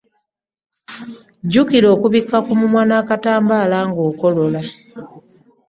Jjukira okubikka ku mumwa n'akatambaala ng'okolola.